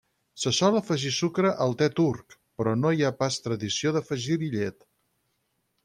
Se sol afegir sucre al te turc, però no hi ha pas tradició d'afegir-hi llet.